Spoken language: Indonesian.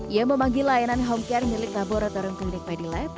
ia memanggil layanan home care milik laboratorium klinik medilab